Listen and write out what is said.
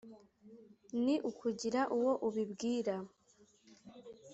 Ni ukugira uwo ubibwira